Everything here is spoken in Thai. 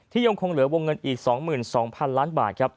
ยังคงเหลือวงเงินอีก๒๒๐๐๐ล้านบาทครับ